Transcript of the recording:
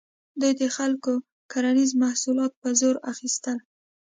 دوی د خلکو کرنیز محصولات په زور اخیستل.